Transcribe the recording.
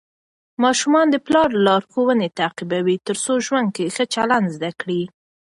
ماشومان د پلار لارښوونې تعقیبوي ترڅو ژوند کې ښه چلند زده کړي.